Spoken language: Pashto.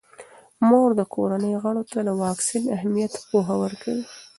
مور د کورنۍ غړو ته د واکسین اهمیت پوهه ورکوي.